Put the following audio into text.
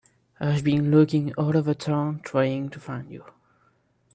I've been looking all over town trying to find you.